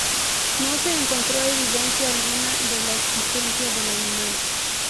No se encontró evidencia alguna de la existencia del animal.